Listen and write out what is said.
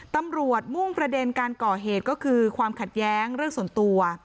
มุ่งประเด็นการก่อเหตุก็คือความขัดแย้งเรื่องส่วนตัว